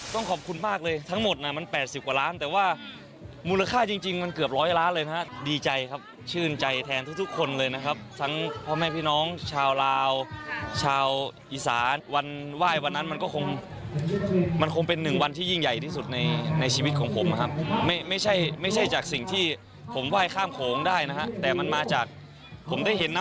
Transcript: ต้องขอบคุณมากเลยทั้งหมดน่ะมัน๘๐กว่าล้านแต่ว่ามูลค่าจริงจริงมันเกือบร้อยล้านเลยนะฮะดีใจครับชื่นใจแทนทุกคนเลยนะครับทั้งพ่อแม่พี่น้องชาวลาวชาวอีสานวันไหว้วันนั้นมันก็คงมันคงเป็นหนึ่งวันที่ยิ่งใหญ่ที่สุดในในชีวิตของผมนะครับไม่ใช่ไม่ใช่จากสิ่งที่ผมไหว้ข้ามโขงได้นะฮะแต่มันมาจากผมได้เห็นนะ